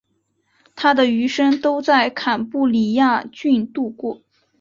他的余生都在坎布里亚郡度过。